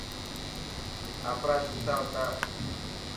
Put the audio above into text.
آپرا جوتا اوتار.